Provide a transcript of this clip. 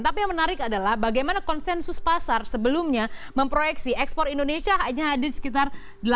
tapi yang menarik adalah bagaimana konsensus pasar sebelumnya memproyeksi ekspor indonesia hanya hadir sekitar